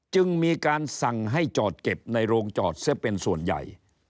จึงมีการสั่งให้จอดเก็บในโรงจอดเสียเป็นส่วนใหญ่